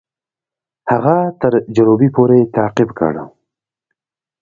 هغه تر جروبي پوري تعقیب کړ.